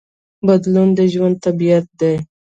بدلون د ژوند طبیعت دی.